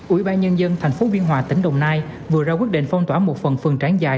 ủy ban nhân dân tp biên hòa tỉnh đồng nai vừa ra quyết định phong tỏa một phần phần trảng dài